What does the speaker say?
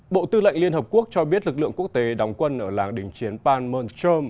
bộ tư lệnh liên hợp quốc cho biết lực lượng quốc tế đóng quân ở làng đỉnh chiến panmunjom